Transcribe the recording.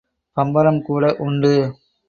பம்பரமும் கூட உண்டு.